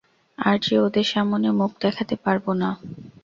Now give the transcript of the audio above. আর যে ওদের সামনে মুখ দেখাতে পারব না।